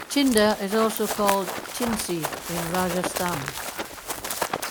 Tinda is also called "tindsi" in Rajasthan.